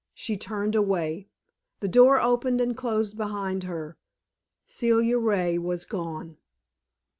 She turned away. The door opened and closed behind her. Celia Ray was gone.